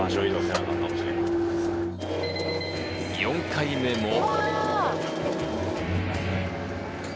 ４回目も。